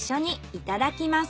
いただきます。